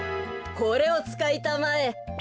これをつかいたまえ。